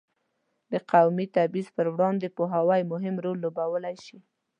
د قومي تبعیض پر وړاندې پوهاوی مهم رول لوبولی شي.